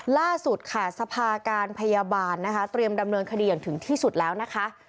ล่าสุดค่ะสภาการพยาบาลนะคะเตรียมดำเนินคดีอย่างถึงที่สุดแล้วนะคะ